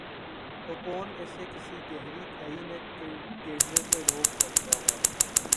تو کون اسے کسی گہری کھائی میں گرنے سے روک سکتا ہے ۔